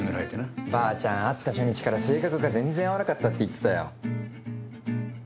ばあちゃん会った初日から性格が全然合わなかったって言ってたよ。